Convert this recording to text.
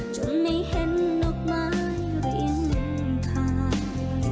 จนไม่เห็นนกไม้เรียนทาง